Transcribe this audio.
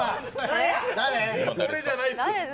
俺じゃないです。